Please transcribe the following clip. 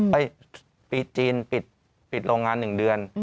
ไปปีจีนปิดโรงงาน๑เดือน